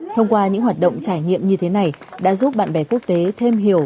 thông qua những hoạt động trải nghiệm như thế này đã giúp bạn bè quốc tế thêm hiểu